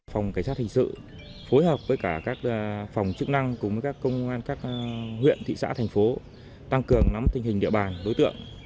phòng cảnh sát hình sự phối hợp với cả các phòng chức năng cùng với các công an các huyện thị xã thành phố tăng cường nắm tình hình địa bàn đối tượng